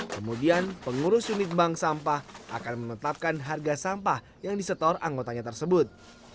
kemudian pengurus unit bank sampah akan menetapkan harga sampah yang disetor anggotanya tersebut